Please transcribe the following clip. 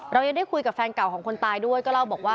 เรายังได้คุยกับแฟนเก่าของคนตายด้วยก็เล่าบอกว่า